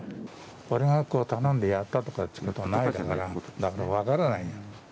俺が頼んでやったとかいうことはないんだからだから、分からないよ。